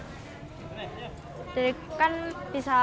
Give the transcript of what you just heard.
jadi kan bisa